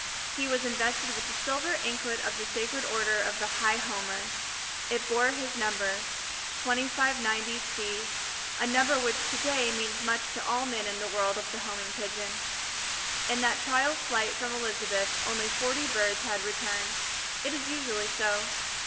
He was invested with the silver anklet of the Sacred Order of the High Homer. It bore his number, 2590 C, a number which to day means much to all men in the world of the Homing Pigeon. In that trial flight from Elizabeth only forty birds had returned. It is usually so.